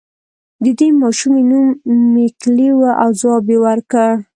د دې ماشومې نوم ميکلي و او ځواب يې ورکړ.